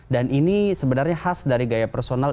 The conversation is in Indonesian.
dan ini sebenarnya khas dari gaya personal